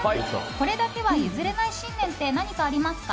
これだけは譲れない信念って何かありますか？